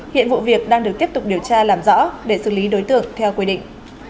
hiện vụ việc đang được tiếp tục điều tra làm rõ để xử lý đối tượng theo quy định